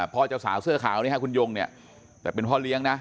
เจ้าสาวเสื้อขาวนี่ฮะคุณยงเนี่ยแต่เป็นพ่อเลี้ยงนะ